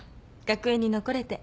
学園に残れて。